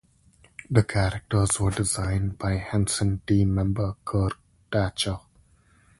The characters were designed by Henson team member Kirk Thatcher.